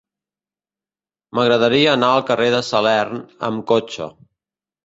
M'agradaria anar al carrer de Salern amb cotxe.